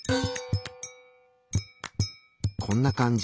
こんな感じ。